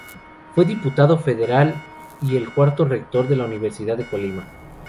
Fue diputado federal y el cuarto rector de la Universidad de Colima.